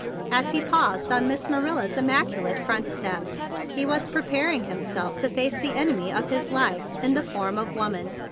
As he paused on Miss Manila's immaculate front steps, he was prepar¬ ing himself to face the enemy of his life in the form of woman.